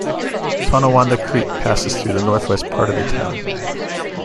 Tonawanda Creek passes through the northwest part of the town.